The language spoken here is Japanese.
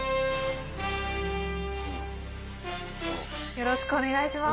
よろしくお願いします。